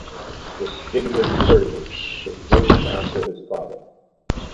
The city of Sturgis was named after his father.